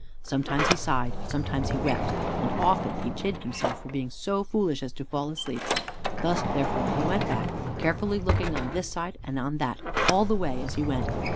Sometimes he sighed, sometimes he wept, and often he chid himself for being so foolish as to fall asleep. Thus therefore he went back, carefully looking on this side and on that all the way as he went.